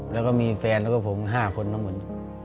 แล้วก็มีแฟนแล้วก็ผม๕คนทั้งหมด